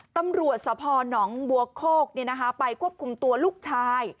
ตำรวจสพหนองบัวโคกไปควบคุมตัวลูกชาย